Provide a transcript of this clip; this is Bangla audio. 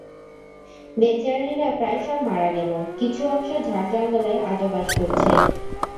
বেচারীরা প্রায় সব মারা গেল, কিছু অংশ ঝাড়-জঙ্গলে আজও বাস করছে।